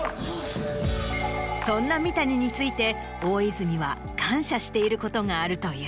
そんな三谷について大泉は感謝していることがあるという。